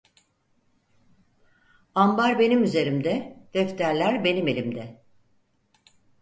Ambar benim üzerimde, defterler benim elimde…